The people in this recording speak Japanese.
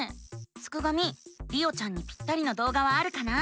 すくがミりおちゃんにぴったりな動画はあるかな？